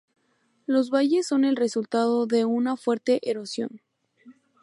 Los valles son el resultado de una fuerte erosión.